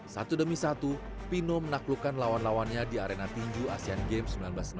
satu demi satu pino menaklukkan lawan lawannya di arena tinju asean games seribu sembilan ratus delapan puluh